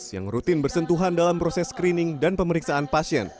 yang rutin bersentuhan dalam proses screening dan pemeriksaan pasien